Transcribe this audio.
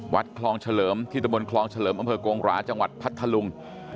วัดคลองเฉลิมที่ตะบนคลองเฉลิมอำเภอกงหราจังหวัดพัทธลุง